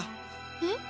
えっ？